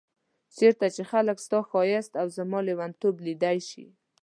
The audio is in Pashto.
چيرته چي خلګ ستا ښايست او زما ليونتوب ليدلی شي